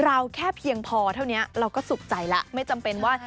เราแค่เพียงพอเท่านี้เราก็สุขใจแล้วไม่จำเป็นว่า